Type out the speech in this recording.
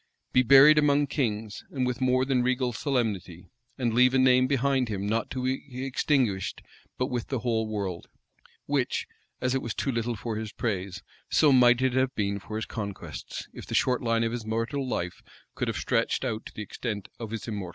Be buried among kings, and with more than regal solemnity; and leave a name behind him not to be extinguished but with the whole world; which as it was too little for his praise, so might it have been for his conquests, if the short line of his mortal life could have stretched out to the extent of his immortal designs?"